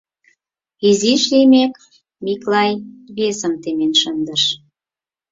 Изиш лиймек, Миклай весым темен шындыш.